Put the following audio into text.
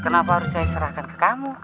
kenapa harus saya serahkan ke kamu